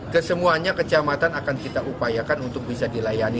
kesemuanya kecamatan akan kita upayakan untuk bisa dilayani